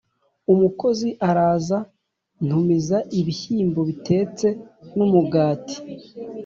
umukozi araza ntumiza ibishyimbo bitetse numugati